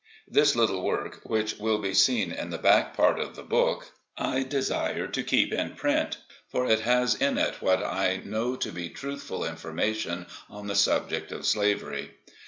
This little work, which will be seen in the back part of the book, I PREFACE. desire to keep in print, for it has in it what I know to be truthful information on the subject of Slavery.